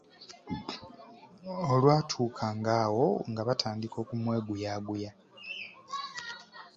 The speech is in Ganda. Olwatuukanga awo nga batandika okumweguyaguya.